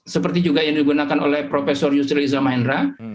seperti juga yang digunakan oleh prof yusri eliza mahendra